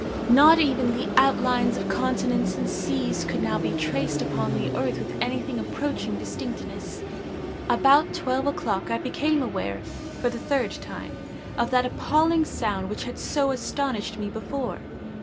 Not even the outlines of continents and seas could now be traced upon the earth with anything approaching distinctness. About twelve o'clock I became aware, for the third time, of that appalling sound which had so astonished me before.